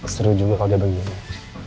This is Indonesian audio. seru juga kalau dia begini